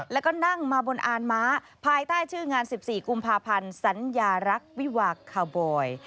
แล้วก็นั่งมาบนอานม้าภายใต้ชื่องาน๑๔กุมภาพันธ์สัญญารักษ์วิวาคาบอย